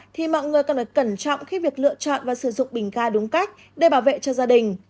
thì mọi người cần phải cẩn trọng khi việc lựa chọn và sử dụng bình ga đúng cách để bảo vệ cho gia đình